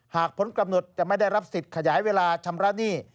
ผลกำหนดจะไม่ได้รับสิทธิ์ขยายเวลาชำระหนี้